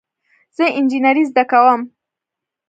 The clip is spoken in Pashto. زه انجینری زده کوم